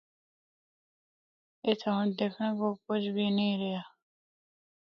اِتھا ہونڑ دکھنڑا کو کجھ بھی نیں رہیا۔